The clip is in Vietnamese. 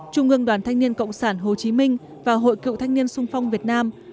trung ương đoàn thanh niên cộng sản hồ chí minh và hội cựu thanh niên sung phong việt nam